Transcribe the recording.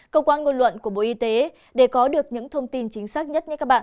cơ quan ngôn luận của bộ y tế để có được những thông tin chính xác nhất